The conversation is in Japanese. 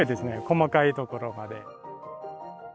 細かいところまで。